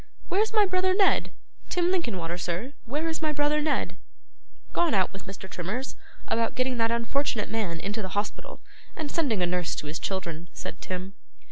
Where is my brother Ned? Tim Linkinwater, sir, where is my brother Ned?' 'Gone out with Mr. Trimmers, about getting that unfortunate man into the hospital, and sending a nurse to his children,' said Tim.